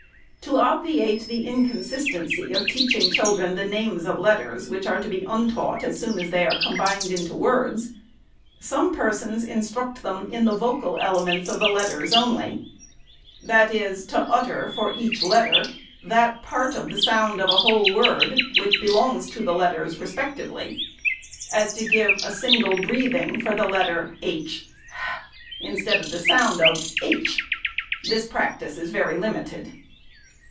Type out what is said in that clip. ,;,*•'• To obviate the inconsistency of teaching children the SECOND ANNUAL REPORT. 523 names of letters, which are to be untaught as soon as they are combined into words, some persons instruct them in the vocal elements of the letters only ;— that is, to utter, for each letter, that part of the sound of a whole word, which belongs to the letters, respectively, — as to give a single breathing for the letter h, instead of the sound of aytch. This practice is very limited.